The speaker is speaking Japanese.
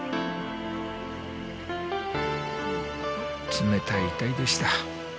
冷たい遺体でした。